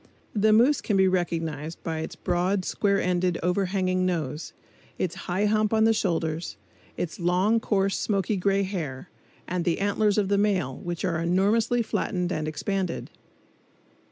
The moose can be recognized by its broad, square ended, overhanging nose, its high hump on the shoulders, its long, coarse, smoky gray hair, and the antlers of the male, which are enormously flattened and expanded.